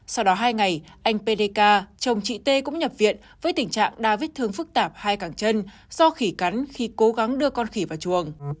trong năm pdk chồng chị tê cũng nhập viện với tình trạng đa vết thương phức tạp hai càng chân do khỉ cắn khi cố gắng đưa con khỉ vào chuồng